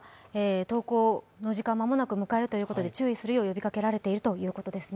登校の時間を間もなく迎えるということで注意するよう呼びかけられているということです。